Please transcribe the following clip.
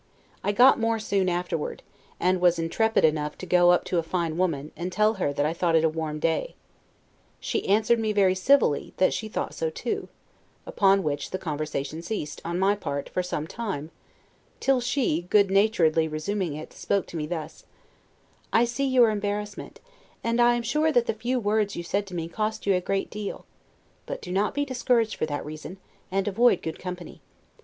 I got more soon afterward, and was intrepid enough to go up to a fine woman, and tell her that I thought it a warm day; she answered me, very civilly, that she thought so too; upon which the conversation ceased, on my part, for some time, till she, good naturedly resuming it, spoke to me thus: "I see your embarrassment, and I am sure that the few words you said to me cost you a great deal; but do not be discouraged for that reason, and avoid good company.